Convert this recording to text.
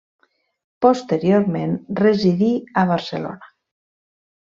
Posteriorment, residí a Barcelona.